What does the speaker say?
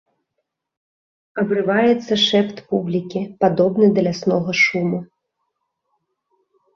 Абрываецца шэпт публікі, падобны да ляснога шуму.